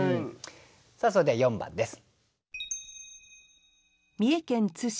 さあそれでは４番です。